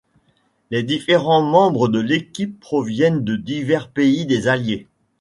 Les différents membres de l'équipe proviennent de divers pays des Alliés.